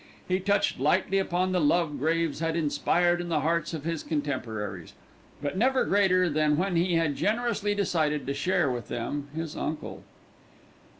He touched lightly upon the love Graves had inspired in the hearts of his contemporaries; but never greater than when he had generously decided to share with them his uncle.